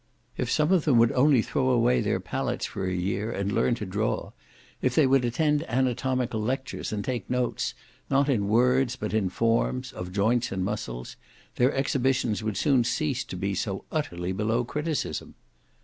If some of them would only throw away their palettes for a year, and learn to draw; if they would attend anatomical lectures, and take notes, not in words, but in forms, of joints and muscles, their exhibitions would soon cease to be so utterly below criticism.